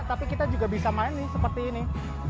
tapi kita juga bisa main nih seperti ini